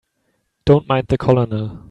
Don't mind the Colonel.